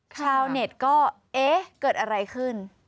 ชาวเน็ตก็เอ๊ะเกิดอะไรขึ้น